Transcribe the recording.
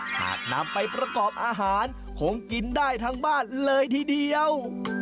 หากนำไปประกอบอาหารคงกินได้ทั้งบ้านเลยทีเดียว